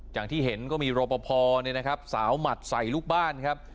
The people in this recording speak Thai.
อย่างที่เห็นก็มีโรปพอเนี่ยนะครับสาวหมัดใส่ลูกบ้านครับ